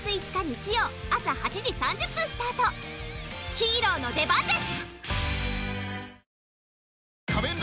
ヒーローの出番です！